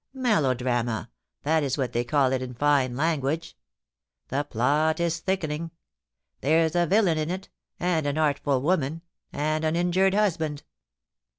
Melodrama — that is what they call it in fine language. The plot is thickening. There's a villain in it, and an artful woman, and an injured husband.